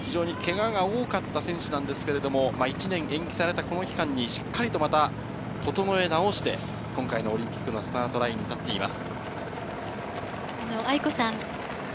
非常にけがが多かった選手ですけども、１年延期されたこの期間にしっかりと整え直して、今回のオリンピックのスタートラインに立っています。